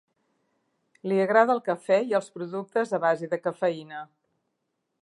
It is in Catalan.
Li agrada el cafè i els productes a base de cafeïna.